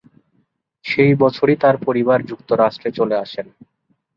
সেই বছরই তার পরিবার যুক্তরাষ্ট্রে চলে আসেন।